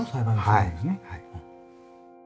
はい。